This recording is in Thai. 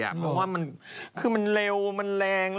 เพราะว่ามันคือมันเร็วมันแรง